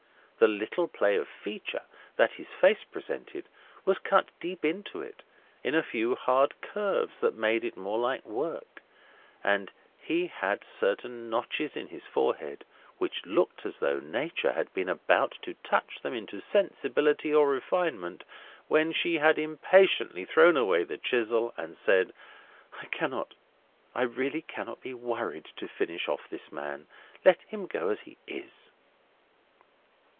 The little play of feature that his face presented, was cut deep into it, in a few hard curves that made it more like work; and he had certain notches in his forehead, which looked as though Nature had been about to touch them into sensibility or refinement, when she had impatiently thrown away the chisel, and said: "I really cannot be worried to finish off this man; let him go as he is."